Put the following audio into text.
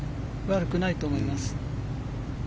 悪くないと思います。